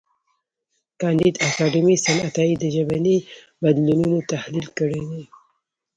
کانديد اکاډميسن عطایي د ژبني بدلونونو تحلیل کړی دی.